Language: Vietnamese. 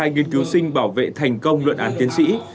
hai mươi hai nghiên cứu sinh bảo vệ thành công luận án tiến sĩ